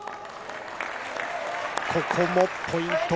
ここもポイント。